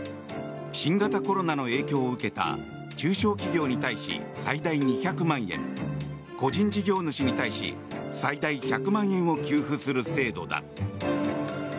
新型コロナの影響を受けた中小企業に対し最大２００万円個人事業主に対し最大１００万円を給付する制度だ。